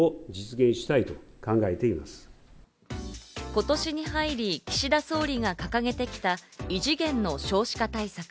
今年に入り岸田総理が掲げてきた、異次元の少子化対策。